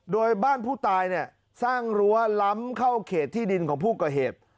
โดยบ้านผู้ตายเนี่ยสร้างรั้วล้ำเข้าเขตที่ดินของผู้ก่อเหตุ